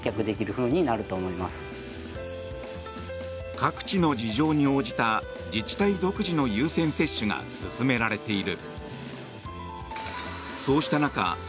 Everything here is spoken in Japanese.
各地の事情に応じた自治体独自の優先接種が進められている。